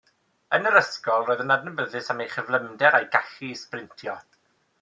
Yn yr ysgol, roedd yn adnabyddus am ei chyflymder a'i gallu i sbrintio.